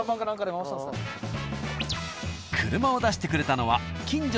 車を出してくれたのは。